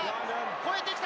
越えてきた。